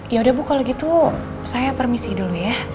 yaudah bu kalau gitu saya permisi dulu ya